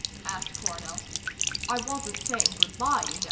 asked Coronel. "I wasn't saying good bye, you know."